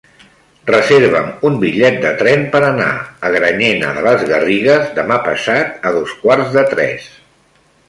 Reserva'm un bitllet de tren per anar a Granyena de les Garrigues demà passat a dos quarts de tres.